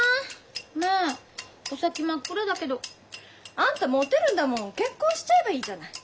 まあお先真っ暗だけど。あんたもてるんだもん結婚しちゃえばいいじゃない。